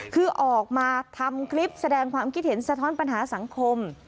คือออกมาทำคลิปแสดงความคิดเห็นสะท้อนปัญหาสังคม